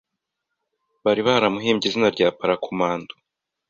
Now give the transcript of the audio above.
bari baramuhimbye izina rya Parakomando